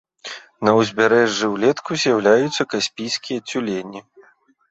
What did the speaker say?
На ўзбярэжжы ўлетку з'яўляюцца каспійскія цюлені.